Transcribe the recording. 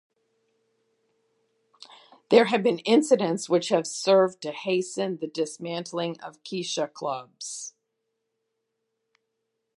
There have been incidents which have served to hasten the dismantling of kisha clubs.